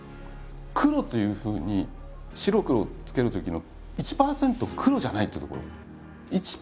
黒というふうに白黒つけるときの１％黒じゃないっていうところ。